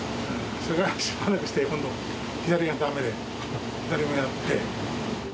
それからしばらくして今度、左がだめで、左もやって。